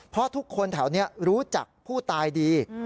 เพราะทุกคนแถวนี้รู้จักผู้ตายดี